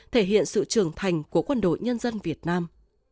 thể hiện sự trưởng thành của quân đội nhân dân việt nam